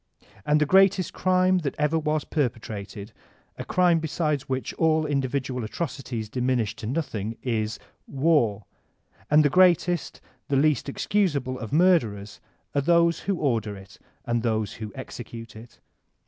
And the greatest crime that ever was perpetrated, a crime beside which all indi vidual atrocities diminish to nothing, is War; and the greatest, the least excusable of murderers are those who order it and those who execute it.